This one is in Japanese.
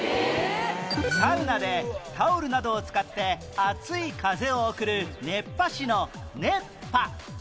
サウナでタオルなどを使って熱い風を送る熱波師の「熱波」